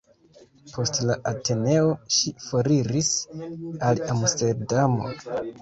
Post la Ateneo ŝi foriris al Amsterdamo.